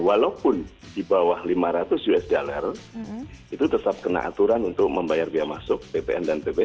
walaupun di bawah lima ratus usd itu tetap kena aturan untuk membayar biaya masuk ppn dan pp